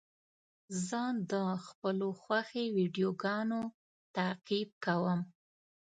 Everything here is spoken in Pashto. زه د خپلو خوښې ویډیوګانو تعقیب کوم.